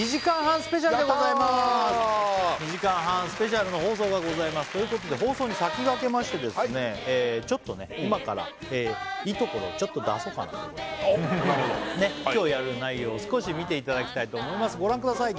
２時間半スペシャルの放送がございますということで放送に先駆けましてはいちょっと今からいいところをちょっと出そうかなとおっなるほどねっ今日やる内容を少し見ていただきたいと思いますご覧ください